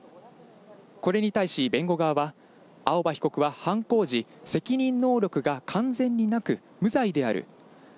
これに対し弁護側は、青葉被告は犯行時、責任能力が完全になく、無罪である。